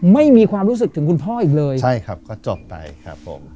ไม่มีความรู้สึกถึงคุณพ่ออีกเลยใช่ครับก็จบไปครับผม